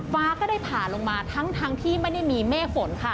ฟ้าก็ได้ผ่าลงมาทั้งที่ไม่ได้มีเมฆฝนค่ะ